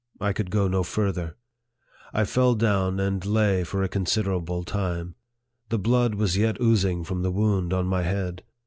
I could go no farther. I fell down, and lay for a considerable time. The blood was yet oozing from the wound on my head.